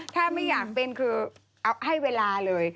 ถ้าไม่อยากเป็นคือเอาให้เวลาเลย